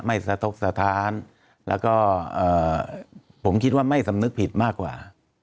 สะทกสถานแล้วก็ผมคิดว่าไม่สำนึกผิดมากกว่า